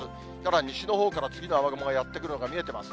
西のほうから次の雨雲がやって来るのが見えてます。